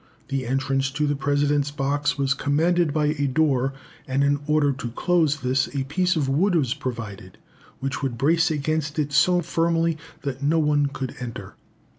The entrance to the President's box was commanded by a door, and in order to close this, a piece of wood was provided, which would brace against it so firmly that no one could enter.